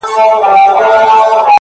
مجاهد د خداى لپاره دى لوېــدلى;